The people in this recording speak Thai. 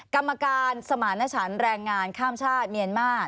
กรรมการสมารณชันแรงงานข้ามชาติเมียนมาร์